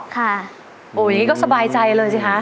ค่ะโอ้ยนี่ก็สบายใจเลยสิค่ะ